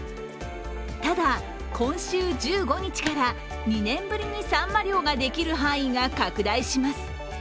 ただ、今週１５日から２年ぶりにさんま漁ができる範囲が拡大します。